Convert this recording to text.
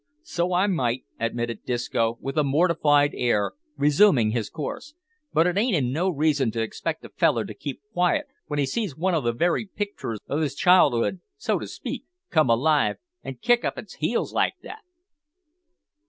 "So I might," admitted Disco, with a mortified air, resuming his course; "but it ain't in reason to expect a feller to keep quiet w'en he sees one o' the very picturs of his child'ood, so to speak, come alive an' kick up its heels like that."